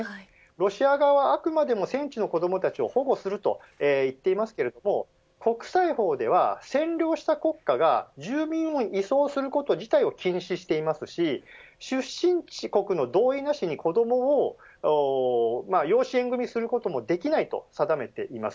ロシア側はあくまでも戦地の子どもたちを保護すると言っていますが国際法では占領した国家が住民を移送すること自体を禁止していますし出身国の同意なしに、子どもを養子縁組することもできないと定めています。